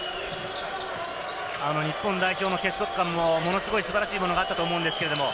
日本代表の結束感もものすごい素晴らしいものがあったと思うんですけれども。